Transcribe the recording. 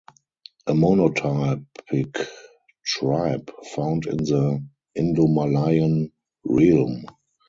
A monotypic tribe found in the Indomalayan realm.